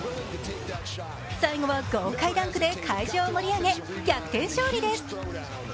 最後は豪快ダンクで会場を盛り上げ逆転勝利です。